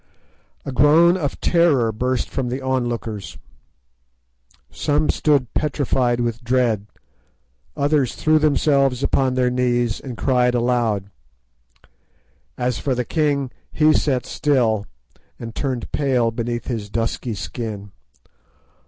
A groan of terror burst from the onlookers. Some stood petrified with dread, others threw themselves upon their knees and cried aloud. As for the king, he sat still and turned pale beneath his dusky skin.